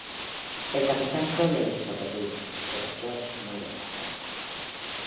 El capitán Crawley sobrevive, pero George muere en batalla.